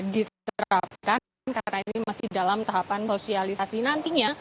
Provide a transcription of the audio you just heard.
diterapkan karena ini masih dalam tahapan sosialisasi nantinya